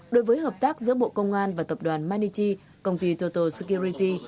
đối với hợp tác giữa bộ công an và tập đoàn manichi công ty total security